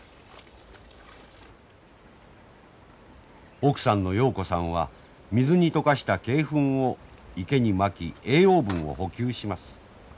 奥さんのようこさんは水に溶かした鶏ふんを池にまき栄養分を補給します。